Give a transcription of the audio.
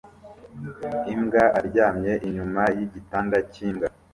Imbwa aryamye inyuma yigitanda cyimbwa